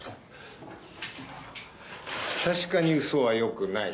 確かに嘘はよくない。